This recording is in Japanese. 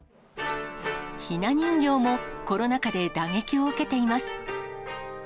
ひな人形もコロナ禍で打撃を受けています。